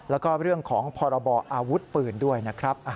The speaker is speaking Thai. แล้วก็เรื่องของพรบอาวุธปืนด้วยนะครับ